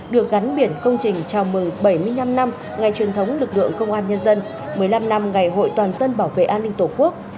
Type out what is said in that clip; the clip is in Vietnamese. được gắn biển công trình chào mừng bảy mươi năm năm ngày truyền thống lực lượng công an nhân dân một mươi năm năm ngày hội toàn dân bảo vệ an ninh tổ quốc